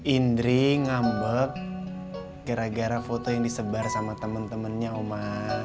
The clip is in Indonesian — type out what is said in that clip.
indri ngambek gara gara foto yang disebar sama teman temannya oma